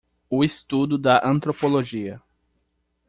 O estudo da Antropologia.